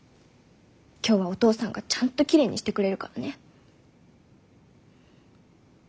今日はお父さんがちゃんときれいにしてくれるからね。